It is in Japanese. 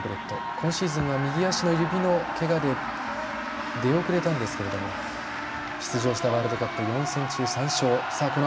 今シーズンは右足の指のけがで出遅れたんですけども出場したワールドカップ４戦中３勝。